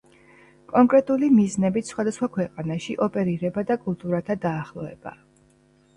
კონკრეტული მიზნებით სხვადასხვა ქვეყანაში ოპერირება დ კულტურათა დაახლოება